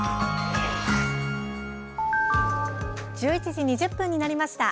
１１時２０分になりました。